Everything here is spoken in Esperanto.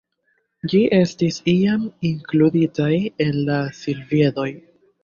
Ĝi estis iam inkluditaj en la Silviedoj.